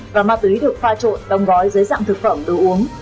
và ma túy được pha trộn đông gói dưới dạng thực phẩm từ uống